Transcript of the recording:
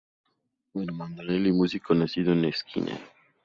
Armando Nelli, músico nacido en Esquina.